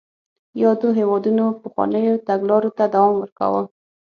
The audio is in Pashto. یادو هېوادونو پخوانیو تګلارو ته دوام ورکاوه.